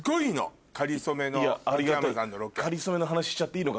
『かりそめ』の話しちゃっていいのかな。